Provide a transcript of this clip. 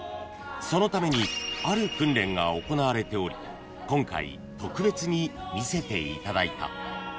［そのためにある訓練が行われており今回特別に見せていただいた］